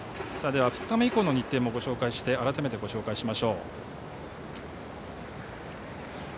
では、２日目以降の日程も改めてご紹介しましょう。